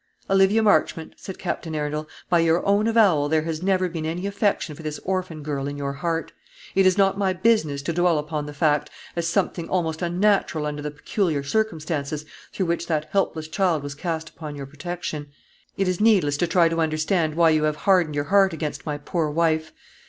"Olivia Marchmont," said Captain Arundel, "by your own avowal there has never been any affection for this orphan girl in your heart. It is not my business to dwell upon the fact, as something almost unnatural under the peculiar circumstances through which that helpless child was cast upon your protection. It is needless to try to understand why you have hardened your heart against my poor wife.